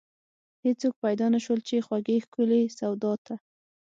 هیڅوک پیدا نشول، دې خوږې ښکلې سودا ته